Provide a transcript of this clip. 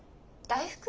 大福？